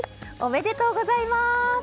おめでとうございます！